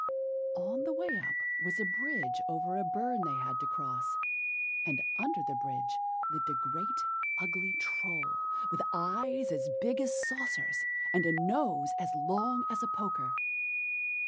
On the way up was a bridge over a burn they had to cross; and under the bridge lived a great ugly Troll, with eyes as big as saucers, and a nose as long as a poker.